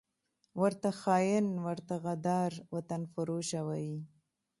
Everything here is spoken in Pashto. ورته خاین، ورته غدار، وطنفروشه وايي